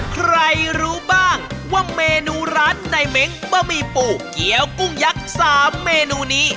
ใครรู้บ้างว่าเมนูร้านในเม้งบะหมี่ปูเกี้ยวกุ้งยักษ์๓เมนูนี้